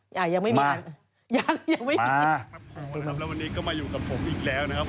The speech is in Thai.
อ่ะยังไม่มีมายังยังไม่มีมาแล้ววันนี้ก็มาอยู่กับผมอีกแล้วนะครับ